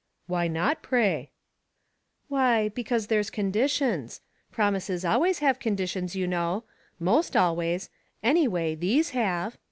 " Why not, pray ?"" Why, because there's conditions. Promises always have conditions, you know — most al always ; anyway, these have.